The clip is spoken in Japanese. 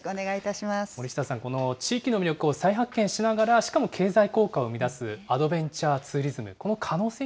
森下さん、この地域の魅力を再発見しながら、しかも経済効果を生み出すアドベンチャーツーリズム。